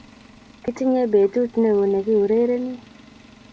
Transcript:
Kitinye betut neoo nekiurereni